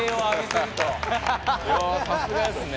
さすがですね。